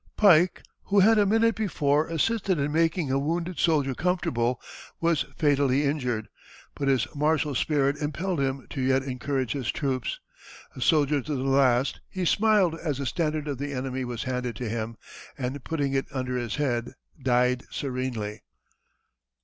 Pike, who had a minute before assisted in making a wounded soldier comfortable, was fatally injured, but his martial spirit impelled him to yet encourage his troops. A soldier to the last, he smiled as the standard of the enemy was handed to him, and, putting it under his head, died serenely.